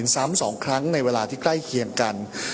ซ้ำ๒ครั้งในเวลาที่ใกล้เคียงกัน